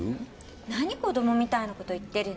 何子供みたいな事言ってるの。